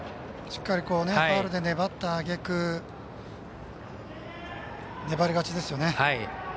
しっかりファウルで粘ったあげく粘り勝ちですよね。